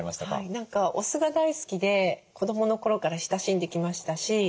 何かお酢が大好きで子どもの頃から親しんできましたし